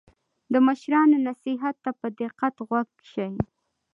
د مشرانو نصیحت ته په دقت غوږ شئ.